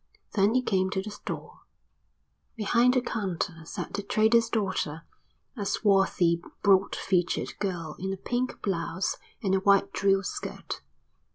Then he came to the store. Behind the counter sat the trader's daughter, a swarthy broad featured girl in a pink blouse and a white drill skirt.